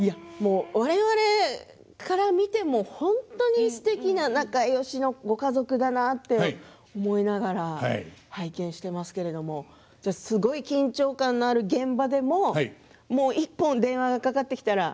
我々から見ても本当にすてきな仲よしのご家族だなと思いながら拝見していますけれどすごい緊張感のある現場でももう一本電話がかかってきたら。